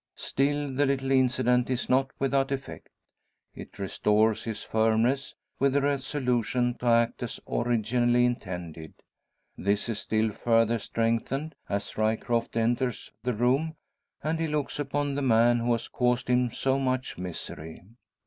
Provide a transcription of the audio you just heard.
Still the little incident is not without effect. It restores his firmness, with the resolution to act as originally intended. This is still further strengthened, as Ryecroft enters the room, and he looks upon the man who has caused him so much misery.